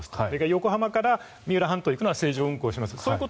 横浜から三浦半島に行くのは正常運行します。